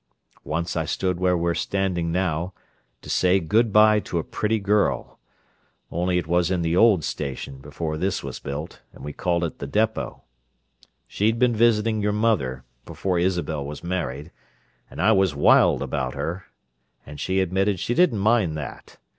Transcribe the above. Once I stood where we're standing now, to say good bye to a pretty girl—only it was in the old station before this was built, and we called it the 'depot.' She'd been visiting your mother, before Isabel was married, and I was wild about her, and she admitted she didn't mind that.